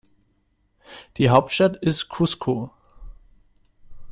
Die Hauptstadt ist Cusco.